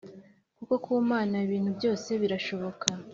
kuko ku Mana ibintu byose birashoboka